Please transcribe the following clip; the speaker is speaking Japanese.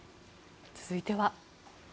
続いては。